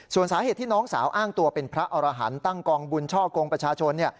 ส่วนสาเหตุที่น้องสาวอ้างตัวเป็นพระอรหันต์ตั้งกองบุญช่อกงประชาชน